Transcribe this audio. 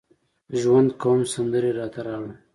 ژوند کوم سندرې راته راوړه